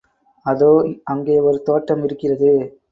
அதோ அங்கே ஒரு தோட்டம் இருக்கிறது.